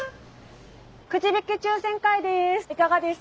くじ引き抽選会です。